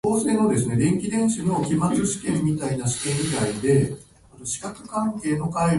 明日は大学の授業を受けに行きます。